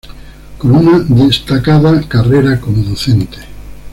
Con una destacada carrera como docente.